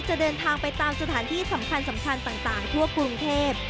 จะเดินทางไปตามสถานที่สำคัญต่างทั่วกรุงเทพ